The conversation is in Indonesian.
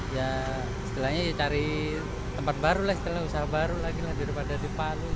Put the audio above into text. ya setelahnya cari tempat baru lah setelah usaha baru lagi lah daripada di palu